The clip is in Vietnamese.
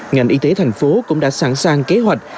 ngành y tế thành phố cũng đã sẵn sàng kế hoạch